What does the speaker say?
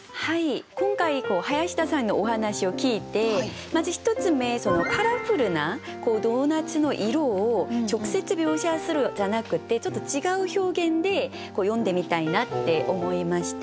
今回林田さんのお話を聞いてまず１つ目カラフルなドーナツの色を直接描写するんじゃなくてちょっと違う表現で詠んでみたいなって思いました。